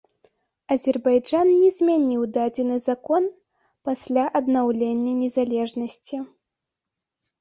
Азербайджан не змяніў дадзены закон пасля аднаўлення незалежнасці.